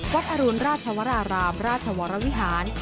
อรุณราชวรารามราชวรวิหาร